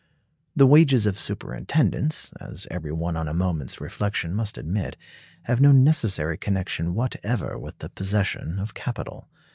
The "wages of superintendence," as every one on a moment's reflection must admit, have no necessary connection whatever with the possession of capital.